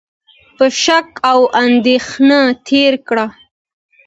په شک او اندېښنه تېر کړ،